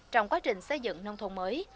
trong quá trình xây dựng nông thôn mới